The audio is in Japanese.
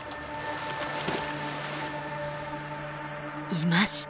いました！